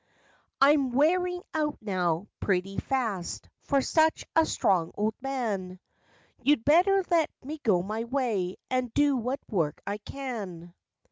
I'm wearing out now, pretty fast for such a strong old man— You'd better let me go my way and do what work I can."